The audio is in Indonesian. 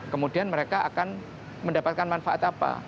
kemudian mereka akan mendapatkan manfaat apa